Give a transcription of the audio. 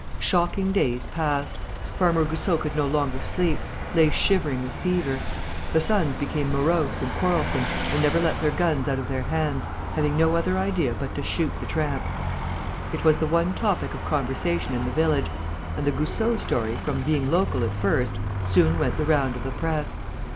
Shocking days passed. Farmer Goussot could no longer sleep, lay shivering with fever. The sons became morose and quarrelsome and never let their guns out of their hands, having no other idea but to shoot the tramp. It was the one topic of conversation in the village; and the Goussot story, from being local at first, soon went the round of the press.